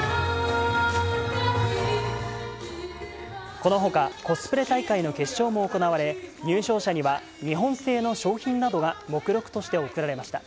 このほか、コスプレ大会の決勝も行われ、入賞者には日本製の商品などが目録として贈られました。